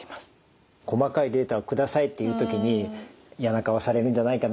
細かいデータを下さいっていう時に嫌な顔されるんじゃないかな